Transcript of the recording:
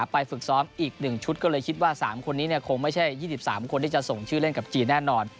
ฝึกซ้อมอีก๑ชุดก็เลยคิดว่า๓คนนี้คงไม่ใช่๒๓คนที่จะส่งชื่อเล่นกับจีนแน่นอน